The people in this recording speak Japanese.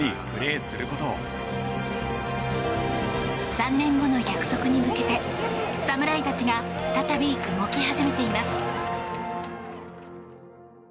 ３年後の約束に向けて侍たちが再び動き始めています。